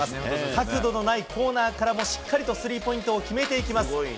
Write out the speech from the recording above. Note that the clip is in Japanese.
角度のないコーナーからもしっかりとスリーポイントを決めていきます。